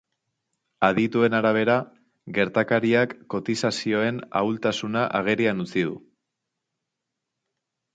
Adituen arabera, gertakariak kotizazioen ahultasuna agerian utzi du.